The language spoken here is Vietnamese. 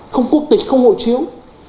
không quốc tịch không hộ chiếu